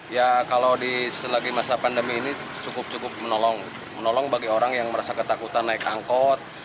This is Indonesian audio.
ya kalau di selagi masa pandemi ini cukup cukup menolong bagi orang yang merasa ketakutan naik angkot